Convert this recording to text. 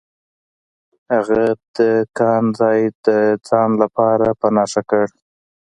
هغه د کان ځای د ځان لپاره په نښه کړ.